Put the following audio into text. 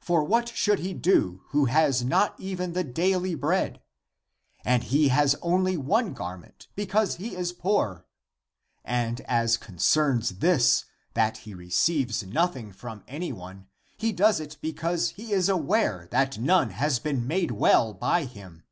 For what should he do who has not even the daily bread ? And he has only one garment because he is poor. And as concerns this that he receives nothing from anyone he does it be cause he is aware that none has been made well by him."